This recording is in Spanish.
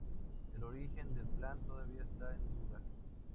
El origen del Plan todavía está en duda.